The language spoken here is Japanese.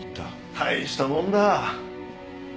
大したもんだ。